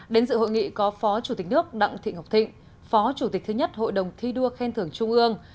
đến dự hội nghị có phó chủ tịch nước đặng thị ngọc thịnh phó chủ tịch thứ nhất hội đồng thi đua khen thưởng trung ương